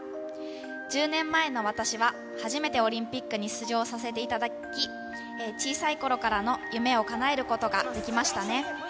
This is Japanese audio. １０年前の私は、初めてオリンピックに出場させていただき、小さいころからの夢をかなえることができましたね。